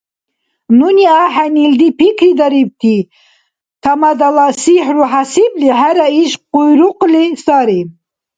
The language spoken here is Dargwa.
Нуни ахӀен илди пикридарибти Тамадала сихӀру хӀясибли хӀера иш къуйрукъли сари.